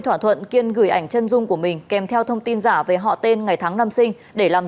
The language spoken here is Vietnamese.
thỏa thuận kiên gửi ảnh chân dung của mình kèm theo thông tin giả về họ tên ngày tháng năm sinh để làm